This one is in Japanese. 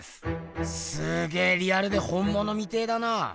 すげぇリアルで本ものみてぇだな。